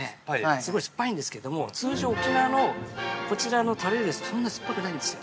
すごい酸っぱいんですけれども、沖縄のこちらのタレですと、そんなに酸っぱくないんですよ。